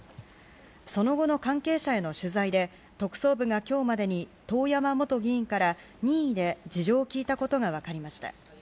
その後の関係者への取材で特捜部が今日までに遠山元議員から任意で事情を聴いたことが分かりました。